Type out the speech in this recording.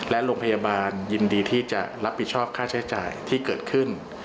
และโรงพยาบาลยินดีที่จะรับผิดชอบค่าใช้จ่ายที่เกิดขึ้น